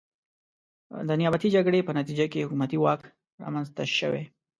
د نیابتي جګړې په نتیجه کې حکومتي واک رامنځته شوی.